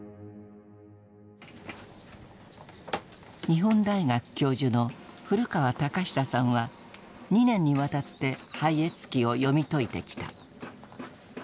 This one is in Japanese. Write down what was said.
日本大学教授の古川隆久さんは２年にわたって「拝謁記」を読み解いてきた。